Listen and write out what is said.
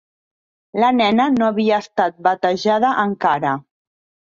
La nena no havia estat batejada encara.